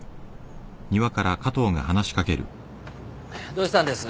・どうしたんです？